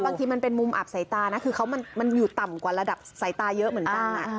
บางทีมันเป็นมุมอับสายตานะคือเขามันอยู่ต่ำกว่าระดับสายตาเยอะเหมือนกัน